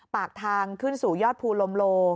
ปากทางขึ้นสู่ยอดภูลมโล